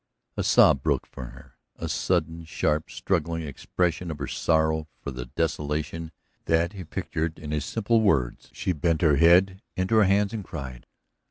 A sob broke from her, a sudden, sharp, struggling expression of her sorrow for the desolation that he pictured in his simple words. She bent her head into her hands and cried.